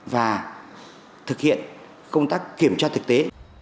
và thực hiện công tác kiểm tra thực tế